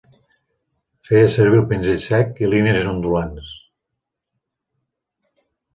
Feia servir el pinzell sec i línies ondulants.